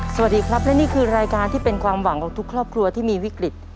สวัสดีครับและนี่คือรายการที่เป็นความหวังของทุกครอบครัวที่มีวิกฤต